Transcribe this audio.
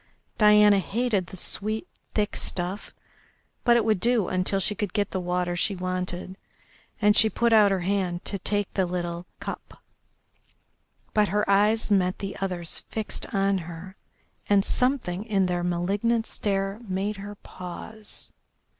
Diana hated the sweet, thick stuff, but it would do until she could get the water she wanted, and she put out her hand to take the little cup. But her eyes met the other's fixed on her, and something in their malignant stare made her pause.